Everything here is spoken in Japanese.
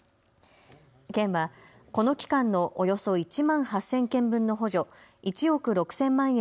県はこの期間のおよそ１万８０００件分の補助１億６０００万円